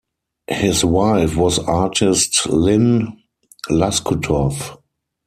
His wife was artist Lynn Loscutoff.